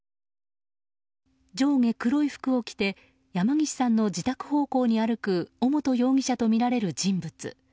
上下黒い服を着て山岸さんの自宅方向に歩く尾本容疑者とみられる人物。